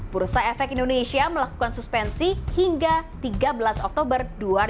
bursa efek indonesia melakukan suspensi hingga tiga belas oktober dua ribu dua puluh